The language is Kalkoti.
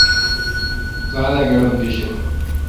گاں دہ گݨوم گیشد۔؟